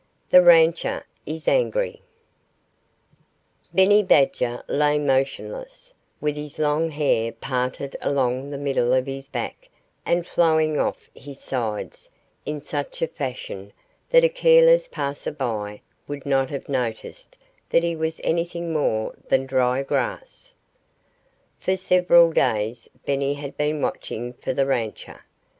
XX THE RANCHER IS ANGRY Benny Badger lay motionless, with his long hair parted along the middle of his back and flowing off his sides in such a fashion that a careless passer by would not have noticed that it was anything more than dry grass. For several days Benny had been watching for the rancher.